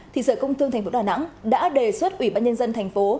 thì sở công thương tp đà nẵng đã đề xuất ủy ban nhân dân thành phố